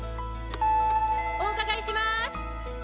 お伺いしまーす！